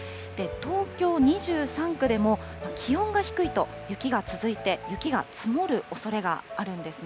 東京２３区でも、気温が低いと雪が続いて、雪が積もるおそれがあるんですね。